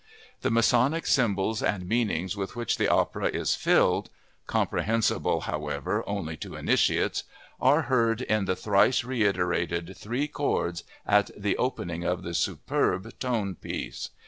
The Masonic symbols and meanings with which the opera is filled (comprehensible, however, only to initiates) are heard in the thrice reiterated three chords at the opening of the superb tone piece.